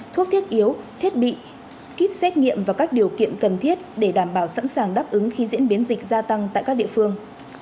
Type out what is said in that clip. thuốc thiết yếu thiết bị kit xét nghiệm và các điều kiện cần thiết để đảm bảo sẵn sàng đáp ứng khi diễn biến dịch gia tăng tại các địa phương